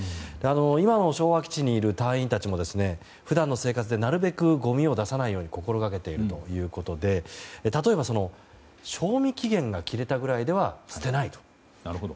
今、昭和基地にいる隊員たちも普段の生活でなるべくごみを出さないように心がけているということで例えば賞味期限が切れたくらいでは捨てないと。